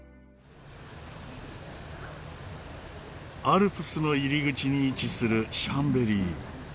アルプスの入り口に位置するシャンベリー。